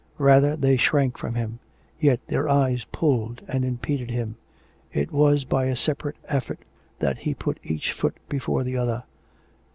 Rather they shrank from him; yet their eyes pulled and impeded him; it was by a separate effort that he put each foot before the other.